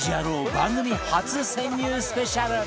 番組初潜入スペシャル！